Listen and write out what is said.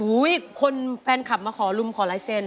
อุ๊ยคนแฟนคลับมาขอลุ้มขอไเราเซ็น